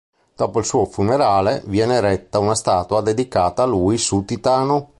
Dopo il suo funerale viene eretta una statua dedicata a lui su Titano.